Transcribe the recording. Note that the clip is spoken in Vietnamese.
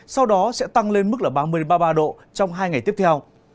sau đó sẽ tăng lên mức là ba mươi ba độ trong hai ngày tiếp theo